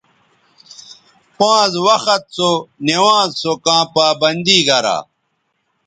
پانز وخت سونوانز سو کاں پابندی گرا